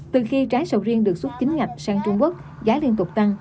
từ khi trái sầu riêng được xuất chính ngạch sang trung quốc giá liên tục tăng